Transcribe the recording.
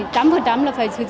trăm phần trăm là phải sử dụng